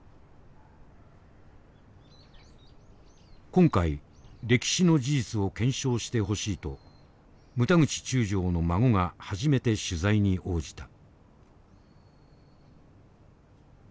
今回歴史の事実を検証してほしいと牟田口中将の孫が初めて取材に応じた。